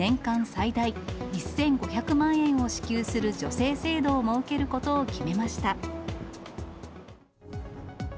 最大１５００万円を支給する助成制度を設けることを決めました。